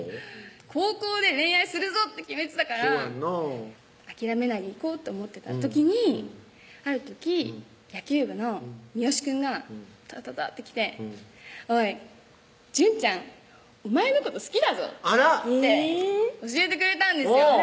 高校で恋愛するぞって決めてたから諦めないでいこうと思ってた時にある時野球部のミヨシくんがタタタタッて来て「おい淳ちゃんお前のこと好きだぞ」って教えてくれたんですよ